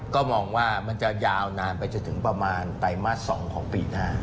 ก็มองว่ามันจะยาวนานไปจนถึงประมาณไตรมาส๒ของปีหน้า